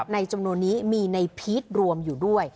จำนวนนี้มีในพีชรวมอยู่ด้วย